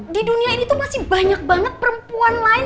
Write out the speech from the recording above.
di dunia ini tuh masih banyak banget perempuan lain